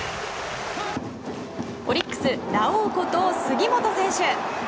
オリックス、ラオウこと杉本選手。